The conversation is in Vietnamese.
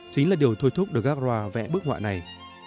chính là điều thôi thúc de garrois vẽ bức họa này